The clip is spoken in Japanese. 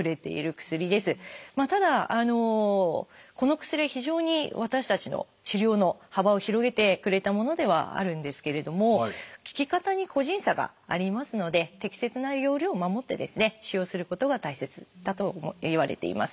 ただこの薬は非常に私たちの治療の幅を広げてくれたものではあるんですけれども効き方に個人差がありますので適切な用量を守って使用することが大切だといわれています。